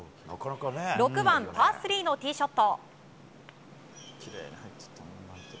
６番、パー３のティーショット。